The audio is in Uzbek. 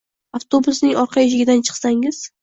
Avtobusining orqa eshigidan chiqsangiz